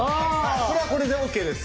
これはこれでＯＫです。